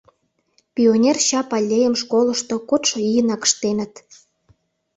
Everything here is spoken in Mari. Пионер чап аллейым школышто кодшо ийынак ыштеныт.